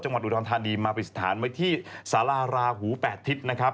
จังหวัดอุดรธานีมาปิดสถานไว้ที่สาราราหู๘ทิศนะครับ